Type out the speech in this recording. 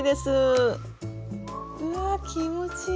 うわ気持ちいい。